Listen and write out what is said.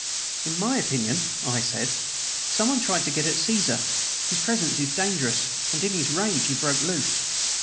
"In my opinion," I said, "someone tried to get at Caesar; his presence is dangerous. And in his rage he broke loose."